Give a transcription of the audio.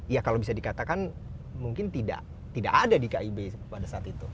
ya kalau bisa dikatakan mungkin tidak ada di kib pada saat itu